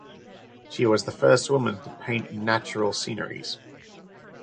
She was the first woman to paint natural sceneries.